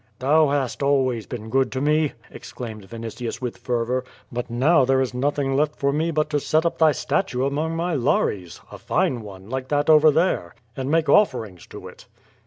"Thou hast always been good to me,'^ exclaimed Vinitius with fervor, ^*but now there is nothing left for me but to set up thy statue among my lares — a fine one, like that over there — and make offerings to it."